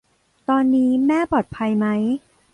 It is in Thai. ตอนนี้แม่ปลอดภัยไหม ?